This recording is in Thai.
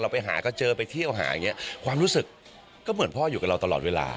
ไปหาก็เจอไปเที่ยวหาอย่างเงี้ยความรู้สึกก็เหมือนพ่ออยู่กับเราตลอดเวลา